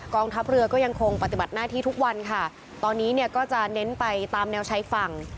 ทัพเรือก็ยังคงปฏิบัติหน้าที่ทุกวันค่ะตอนนี้เนี่ยก็จะเน้นไปตามแนวชายฝั่ง